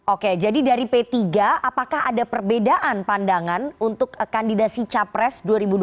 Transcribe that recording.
oke jadi dari p tiga apakah ada perbedaan pandangan untuk kandidasi capres dua ribu dua puluh